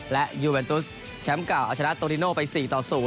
และยูเวนตุสแชมป์เก่าเอาชนะโตริโนไป๔ต่อ๐